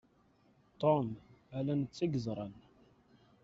Tom, ala netta i yeẓran.